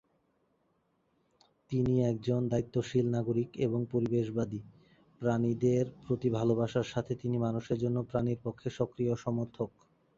তিনি একজন দায়িত্বশীল নাগরিক এবং পরিবেশবাদী; প্রাণীদের প্রতি ভালবাসার সাথে তিনি মানুষের জন্য প্রাণীর পক্ষে সক্রিয় সমর্থক।